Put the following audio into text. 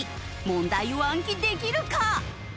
問題を暗記できるか！？